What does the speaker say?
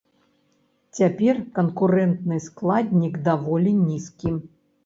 Цяпер канкурэнтны складнік даволі нізкі.